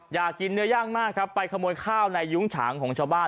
อยากกินเนื้อย่างมากครับไปขโมยข้าวในยุ้งฉางของชาวบ้าน